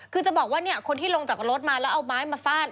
คือจะบอกว่าเนี่ยคนที่ลงจากรถมาแล้วเอาไม้มาฟาด